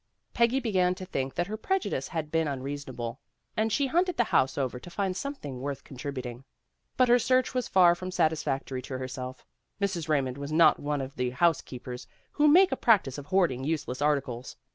Peggy began to think that her prejudice had been unreasonable, and she hunted the house over to find something worth contributing. But her search was far from satisfactory to herself. Mrs. Eaymond was not one of the house keepers who make a practice of hoarding useless articles.